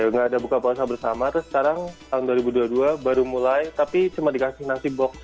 nggak ada buka puasa bersama terus sekarang tahun dua ribu dua puluh dua baru mulai tapi cuma dikasih nasi box